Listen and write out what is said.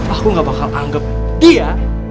aku gak bakal anggap dia